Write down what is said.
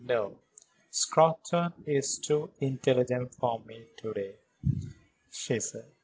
"No; Scrotton is too intelligent for me to day," she said.